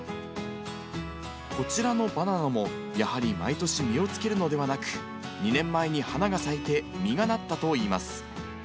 こちらのバナナも、やはり毎年、実をつけるのではなく、２年前に花が咲いて実がなったといいます。